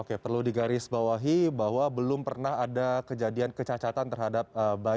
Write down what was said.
oke perlu digarisbawahi bahwa belum pernah ada kejadian kecacatan terhadap bayi